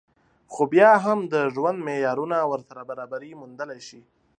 خو بيا هم د ژوند معيارونه ورسره برابري موندلی شي